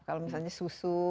kalau misalnya susu